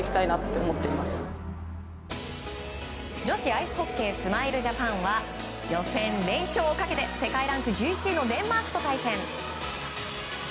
女子アイスホッケースマイルジャパンは予選連勝をかけて世界ランク１１位のデンマークと対戦。